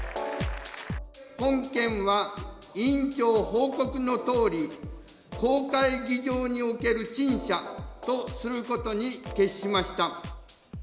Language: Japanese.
本件は委員長報告のとおり、公開議場における陳謝とすることに決しました。